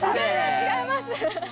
違います